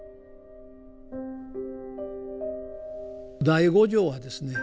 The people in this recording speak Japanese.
第五条はですね